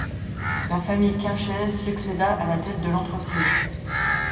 La famille Quinchez succéda à la tête de l’entreprise.